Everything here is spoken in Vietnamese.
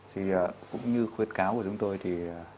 thì cũng như khuyết cáo của chúng tôi thì